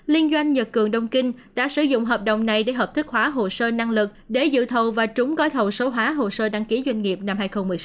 liên doanh nhật cường đông kinh đã sử dụng hợp đồng này để hợp thức hóa hồ sơ năng lực để giữ thầu và trúng gói thầu số hóa hồ sơ đăng ký doanh nghiệp năm hai nghìn một mươi sáu